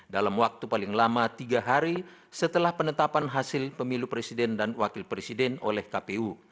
dalam waktu paling lama tiga hari setelah penetapan hasil pemilu presiden dan wakil presiden oleh kpu